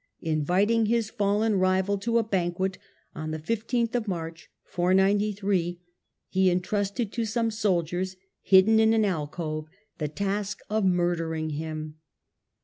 Inviting his fallen rival to a banquet on 15th March, 493, he entrusted to some soldiers, hidden in an alcove, the task of murdering him.